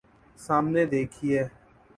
سامنے دیکھئے